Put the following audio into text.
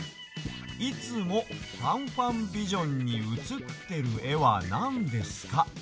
「いつもファンファンビジョンにうつってるえはなんですか？」。